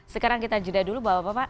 sekarang kita jeda dulu bapak bapak